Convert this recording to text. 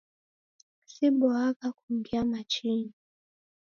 Siboagha kungia machinyi